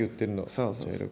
そうそう。